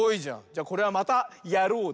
じゃこれは「またやろう！」